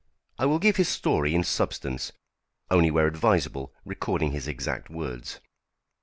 I will give his story in substance, only where advisable recording his exact words.